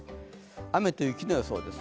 雨と雪の予想です。